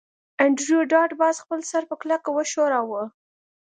انډریو ډاټ باس خپل سر په کلکه وښوراوه